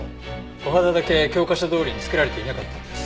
コハダだけ教科書どおりに作られていなかったんです。